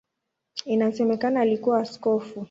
Inasemekana alikuwa askofu.